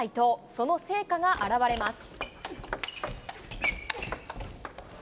その成果が現れます。